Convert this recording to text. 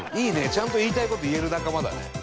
ちゃんと言いたい事言える仲間だね。